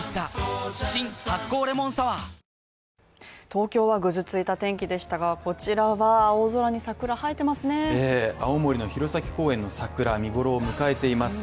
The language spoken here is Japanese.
東京はぐずついた天気でしたが、こちらは青空に桜、映えてますね青森の弘前公園の桜見頃を迎えています